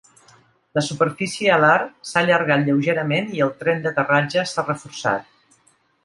La superfície alar s'ha allargat lleugerament i el tren d'aterratge s'ha reforçat.